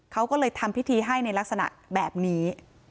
เขาก็เลยทำพิธีให้ในลักษณะแบบนี้